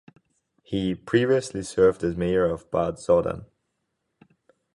He previously served as mayor of Bad Soden.